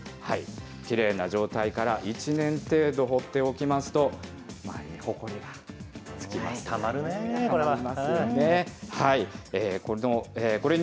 きれいな状態から１年程度放っておきますと、たまるね、これが。